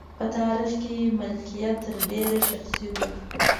په تاریخ کې مالکیت تر ډېره شخصي و.